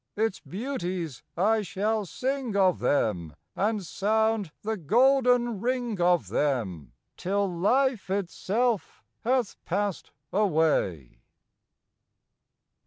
Its beauties, I shall sing of them, And sound the golden ring of them Till life itself hath passed away.